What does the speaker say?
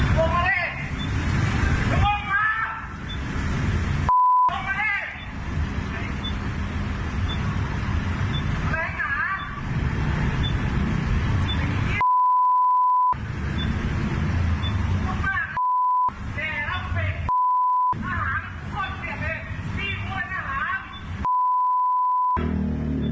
มันวิทยาลัยเราพวกมันแห่งเราเราเป็นอาหารทุกคน